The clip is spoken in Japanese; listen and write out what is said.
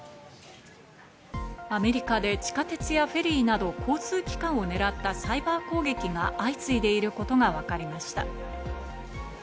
アメリカで地下鉄やフェリーなど、交通機関を狙ったサイバー攻撃が相次いでいることがわかりました。